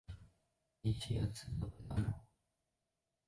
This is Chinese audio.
灵犀有四座陪葬墓。